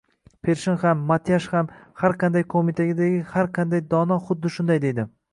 Pershin ham, Matyash ham, har qanday qoʻmitadagi har qanday dono xuddi shunday deydi.